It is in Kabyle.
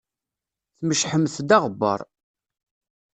Tmecḥemt-d aɣebbar.